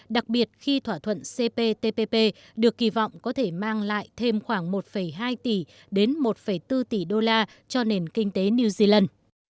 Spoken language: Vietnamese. đặc biệt khi thỏa thuận cptpp được kỳ vọng có thể mang lại thêm khoảng một hai tỷ đến một bốn tỷ đô la cho nền kinh tế new zealand